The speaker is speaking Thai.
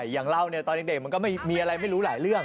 อย่างเราตอนเด็กมันก็ไม่มีอะไรไม่รู้หลายเรื่อง